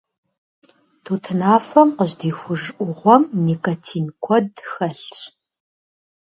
Тутынафэм къыжьэдихуж Ӏугъуэм никотин куэд хэлъщ.